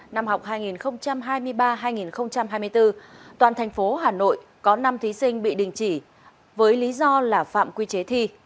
năm học hai nghìn hai mươi ba hai nghìn hai mươi bốn toàn thành phố hà nội có năm thí sinh bị đình chỉ với lý do là phạm quy chế thi